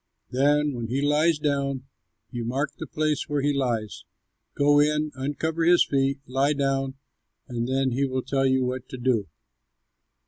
Then when he lies down, you mark the place where he lies. Go in, uncover his feet, lie down, and then he will tell you what to do."